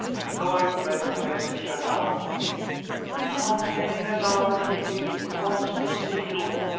Lloyd read the message aloud. "Aunt Jane alarmingly ill; wants to see you.